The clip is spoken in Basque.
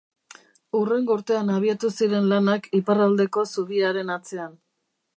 Hurrengo urtean abiatu ziren lanak iparraldeko zubiaren atzean.